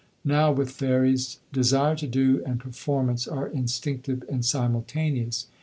Now, with fairies, desire to do and performance are instinctive and simultaneous.